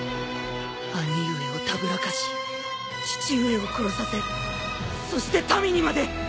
兄上をたぶらかし父上を殺させそして民にまで。